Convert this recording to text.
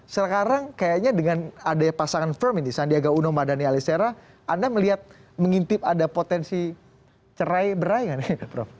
sekarang kayaknya dengan adanya pasangan firm ini sandiaga uno mardani alisera anda melihat mengintip ada potensi cerai berai nggak nih prof